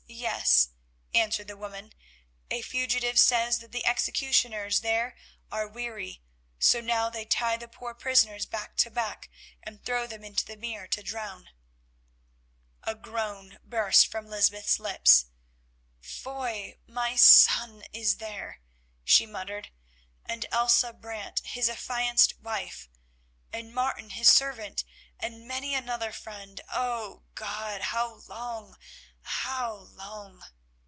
yes," answered the woman. "A fugitive says that the executioners there are weary, so now they tie the poor prisoners back to back and throw them into the mere to drown." A groan burst from Lysbeth's lips. "Foy, my son, is there," she muttered, "and Elsa Brant his affianced wife, and Martin his servant, and many another friend. Oh! God, how long, how long?"